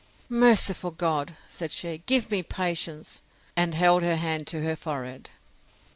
Merciful God! said she, give me patience! and held her hand to her forehead.